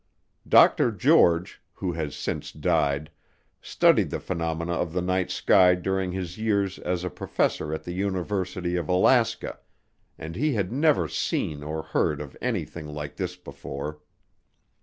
Dr. George, who has since died, studied the phenomena of the night sky during his years as a professor at the University of Alaska, and he had never seen or heard of anything like this before.